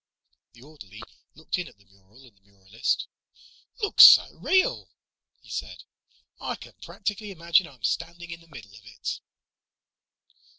The orderly looked in at the mural and the muralist. "Looks so real," he said, "I can practically imagine I'm standing in the middle of it."